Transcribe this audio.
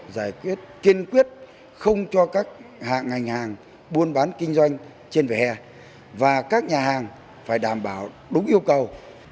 giải quyết kiên quyết không cho các ngành hàng buôn bán kinh doanh trên vỉa hè và các nhà hàng phải đảm bảo đúng yêu cầu